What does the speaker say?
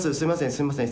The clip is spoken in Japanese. すいません